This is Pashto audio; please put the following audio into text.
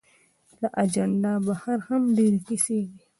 له اجنډا بهر هم ډېرې کیسې دي.